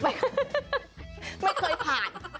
ไม่เคยผ่าน